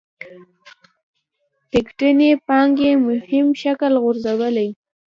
پيکيټي پانګې مهم شکل غورځولی.